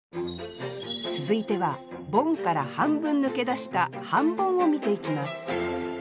続いてはボンから半分抜け出した半ボンを見ていきます